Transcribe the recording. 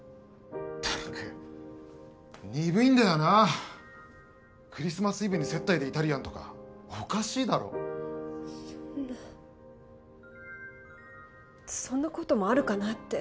ったく鈍いんだよなクリスマスイブに接待でイタリアンとかおかしいだろそんなそんなこともあるかなって